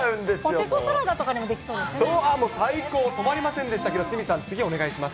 ポテトサラダとかにもできそ最高、止まりませんでしたけど、鷲見さん、次お願いします。